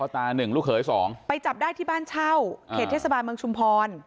ตาหนึ่งลูกเขยสองไปจับได้ที่บ้านเช่าเขตเทศบาลเมืองชุมพร